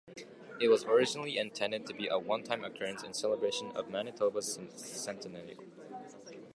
It was originally intended to be a one-time occurrence in celebration of Manitoba's centennial.